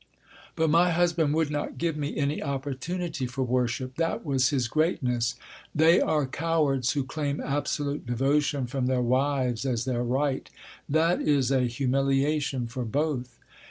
But my husband would not give me any opportunity for worship. That was his greatness. They are cowards who claim absolute devotion from their wives as their right; that is a humiliation for both.